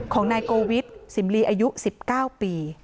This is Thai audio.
ของนายโกวิทสิมลีอายุ๑๙ปี